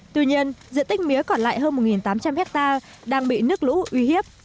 tuy nhiên diện tích mía còn lại hơn một tám trăm linh hectare đang bị nước lũ uy hiếp